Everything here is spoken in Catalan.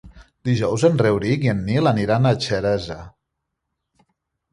Dijous en Rauric i en Nil iran a Xeresa.